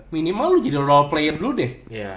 minimal lo jadi role player dulu deh